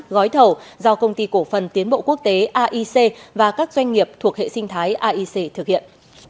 gói thầu do công ty cổ phần tiến bộ quốc tế aic và các doanh nghiệp thuộc hệ sinh thái aic thực hiện